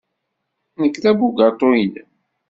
Nekk d abugaṭu-nnem.